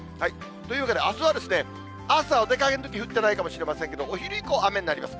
というわけで、あすは朝お出かけのとき、降ってないかもしれませんけど、お昼以降、雨になります。